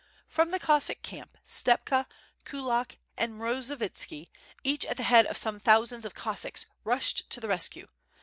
From the Cossack camp Stepka, Kulak and Mrozovitski, each at the head of some thousands of Cossacks, rushed to the rescue.